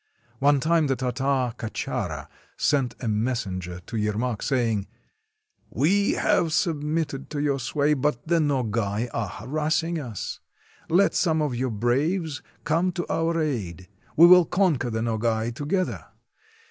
One time the Tartar Kachara sent a messenger to Yermak, saying: — "We have submitted to your sway, but the Nogay are harassing us; let some of your braves come to our aid. 171 RUSSIA We will conquer the Nogay together.